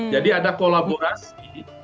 jadi ada kolaborasi